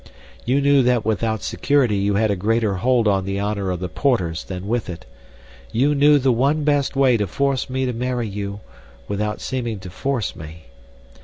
"You knew that without security you had a greater hold on the honor of the Porters than with it. You knew the one best way to force me to marry you, without seeming to force me.